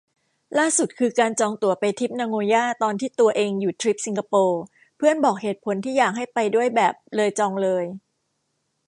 ล่าสุดคือการจองตั๋วไปทริปนาโงย่าตอนที่ตัวเองอยู่ทริปสิงคโปร์ เพื่อนบอกเหตุผลที่อยากให้ไปด้วยแบบ เลยจองเลย